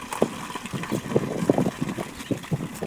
也可以通过轮渡到达科西嘉岛的另外几个城市。